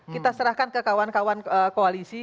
kita serahkan ke kawan kawan koalisi